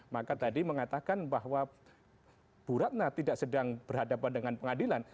maka tadi mengatakan bahwa bu ratna tidak sedang berhadapan dengan pengadilan